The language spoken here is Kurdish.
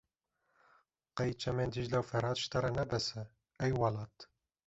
Qey çemên Dîcle û Ferat ji te re ne bes e ey welat.